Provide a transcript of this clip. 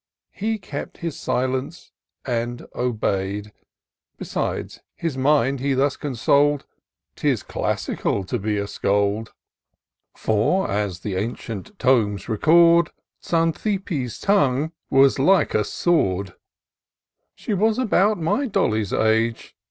He kept his silence and obey'd. Besides, his mind he thus consol'd ;" 'Tis classical to be a scold ; For, as the ancient tomes record, Zantippe's tongue was like a sword ; She was about my Dolly's age.